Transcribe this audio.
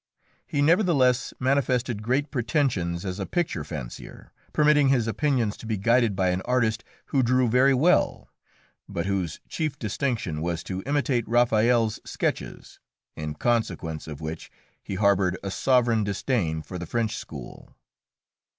He nevertheless manifested great pretensions as a picture fancier, permitting his opinions to be guided by an artist who drew very well, but whose chief distinction was to imitate Raphael's sketches, in consequence of which he harboured a sovereign disdain for the French school.